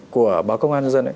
của báo công an dân